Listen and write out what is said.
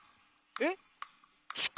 えっ？